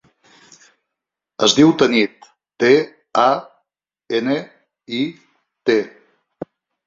Es diu Tanit: te, a, ena, i, te.